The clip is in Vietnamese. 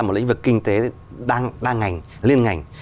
một lĩnh vực kinh tế đa ngành liên ngành